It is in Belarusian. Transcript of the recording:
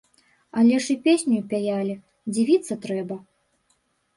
Але ж і песню пяялі, дзівіцца трэба.